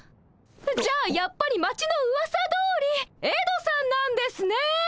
じゃあやっぱり町のうわさどおりエドさんなんですね。